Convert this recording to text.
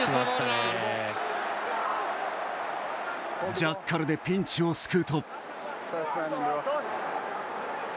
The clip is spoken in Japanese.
ジャッカルでピンチを救うと。